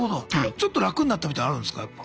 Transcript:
ちょっと楽になったみたいのあるんすかやっぱ。